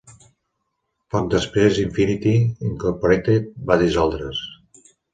Poc després, Infinity Incorporated va dissoldre's.